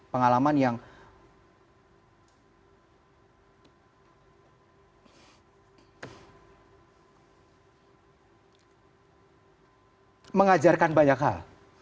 pengalaman yang mengajarkan banyak hal